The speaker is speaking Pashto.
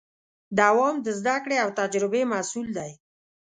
دوام د زدهکړې او تجربې محصول دی.